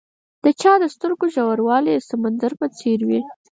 د چا د سترګو ژوروالی د سمندر په څېر وي.